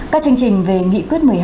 các chương trình về nghị quyết một mươi hai